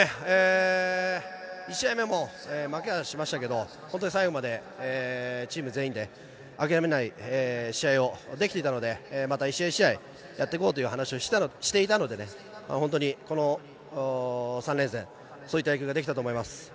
１試合目も負けはしましたけれど、最後までチーム全員で諦めない試合をできていたので、一試合一試合、やって行こうという話をしていたので、本当にこの３連戦、そういった野球ができたと思います。